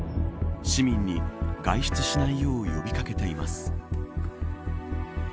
市民に外出しないよう呼び掛けています。